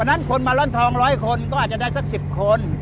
วันนั้นคนมาร้อนทองร้อยคนก็อาจจะได้สักสิบคน